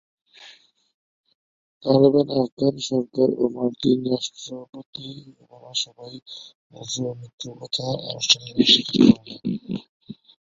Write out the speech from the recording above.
তালেবান, আফগান সরকার ও মার্কিন রাষ্ট্রপতি ওবামা সবাই মনসুরের মৃত্যুর কথা আনুষ্ঠানিকভাবে স্বীকার করে নেন।